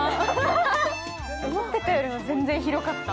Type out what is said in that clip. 思っていたより全然広かった。